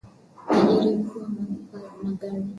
Tajiri mkuu ameanguka na gari